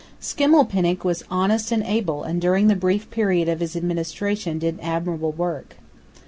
Schimmelpenninck was honest and able, and during the brief period of his administration did admirable work.